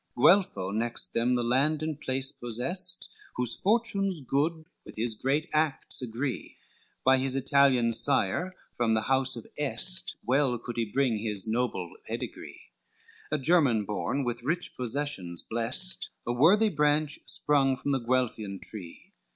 XLI Guelpho next them the land and place possest, Whose fortunes good with his great acts agree, By his Italian sire, fro the house of Est, Well could he bring his noble pedigree, A German born with rich possessions blest, A worthy branch sprung from the Guelphian tree.